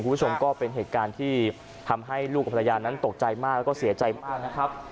คุณผู้ชมก็เป็นเหตุการณ์ที่ทำให้ลูกกับภรรยานั้นตกใจมากแล้วก็เสียใจมากนะครับ